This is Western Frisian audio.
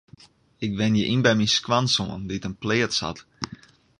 Ik wenje yn by my skoansoan dy't in pleats hat.